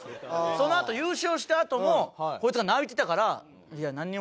そのあと優勝したあともこいつが泣いてたから。